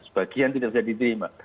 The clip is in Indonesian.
sebagian tidak bisa diterima